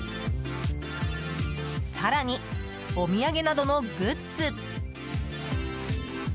更に、お土産などのグッズ。